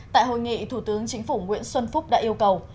tại hội nghị thủ tướng chính phủ nguyễn xuân phúc đã yêu cầu